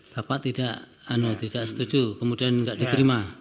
bapak tidak setuju kemudian tidak diterima